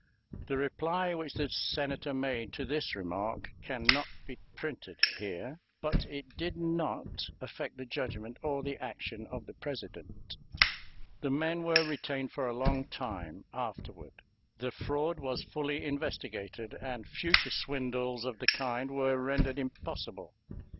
The reply which the Senator made to this remark can not be printed here, but it did not affect the judgment or the action of the President. The men were retained for a long time afterward. The fraud was fully investigated, and future swindles of the kind were rendered impossible.